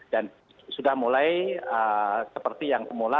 dan sudah mulai seperti yang mula